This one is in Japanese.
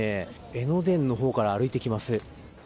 江ノ電のほうから歩いてきます。